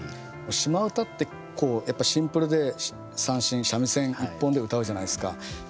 シマ唄ってシンプルで三線三味線一本でうたうじゃないですか。